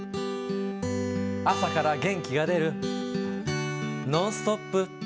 朝から元気が出る「ノンストップ！」